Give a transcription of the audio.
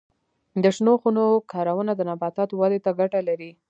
د شنو خونو کارونه د نباتاتو ودې ته ګټه لري.